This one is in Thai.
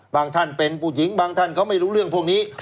ท่านเป็นผู้หญิงบางท่านก็ไม่รู้เรื่องพวกนี้